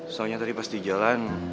soalnya tadi pas di jalan